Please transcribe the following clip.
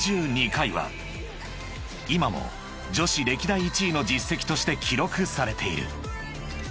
６２回は今も女子歴代１位の実績として記録されている］